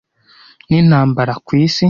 n'intambara ku isi